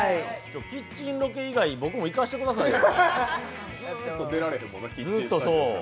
キッチンロケ以外、僕も行かせてくださいよ。